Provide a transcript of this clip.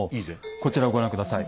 こちらをご覧下さい。